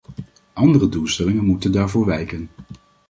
Andere doelstellingen moeten daarvoor wijken.